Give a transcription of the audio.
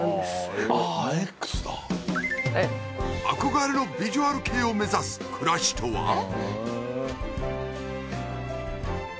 憧れのヴィジュアル系を目指す暮らしとは？